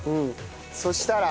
そしたら酒。